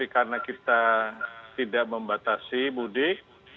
karena kita tidak membatasi mudik